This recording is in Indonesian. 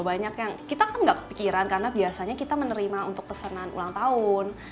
banyak yang kita kan nggak kepikiran karena biasanya kita menerima untuk pesanan ulang tahun